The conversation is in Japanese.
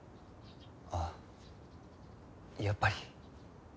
ああやっぱり。